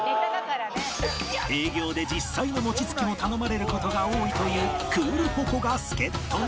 営業で実際の餅つきも頼まれる事が多いというクールポコ。が助っ人に